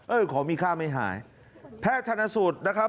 ของมีค่าไม่หายแพทย์ชนสูตรนะครับ